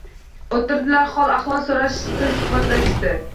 O'tirdilar, hol ahvol so'rashishdi, suhbatlashishdi.